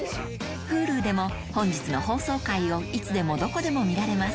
Ｈｕｌｕでも本日の放送回をいつでもどこでも見られます